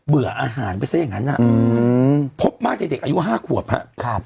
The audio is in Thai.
ื่ออาหารไปซะอย่างนั้นพบมากในเด็กอายุ๕ขวบครับ